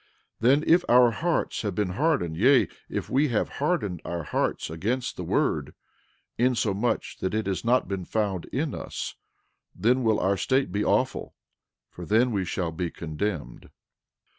12:13 Then if our hearts have been hardened, yea, if we have hardened our hearts against the word, insomuch that it has not been found in us, then will our state be awful, for then we shall be condemned.